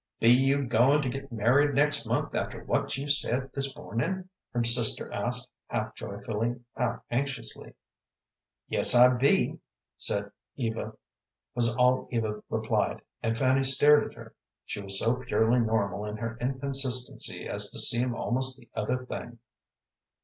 "Be you goin' to get married next month after what you said this mornin'?" her sister asked, half joyfully, half anxiously. "Yes, I be," was all Eva replied, and Fanny stared at her; she was so purely normal in her inconsistency as to seem almost the other thing.